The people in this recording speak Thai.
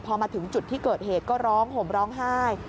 พอมาถึงจุดที่เกิดเหตุก็ร้องห่มร้องไห้